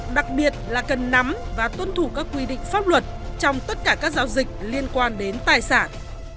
đặc biệt là cần nắm và tuân thủ các quy định pháp luật trong tất cả các giao dịch liên quan đến tài sản